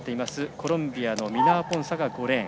コロンビアのミナアポンサが５レーン。